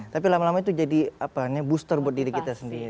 tapi lama lama itu jadi booster buat diri kita sendiri